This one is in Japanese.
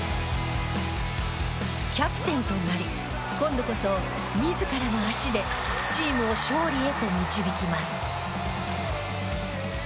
キャプテンとなり今度こそ自らの足でチームを勝利へと導きます。